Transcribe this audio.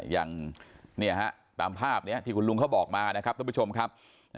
อย่างนี่ครับตามภาพนี้ที่ลุงบอกมาท่านผู้ชมครับ